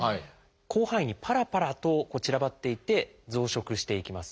広範囲にパラパラと散らばっていて増殖していきます。